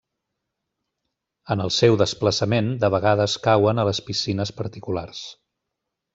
En el seu desplaçament de vegades cauen a les piscines particulars.